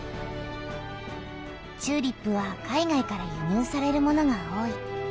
チューリップは海外からゆにゅうされるものが多い。